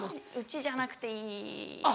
家じゃなくていい。